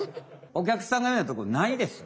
お客さんがいうようなとこないです！